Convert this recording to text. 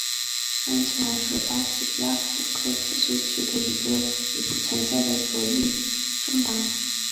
站起来是西班牙巴斯克自治区的一个已不存在的左翼政党。